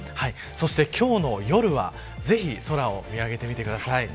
今日の夜はぜひ空を見上げてみてください。